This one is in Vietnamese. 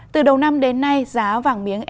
từ đầu năm đến nay giá vàng miếng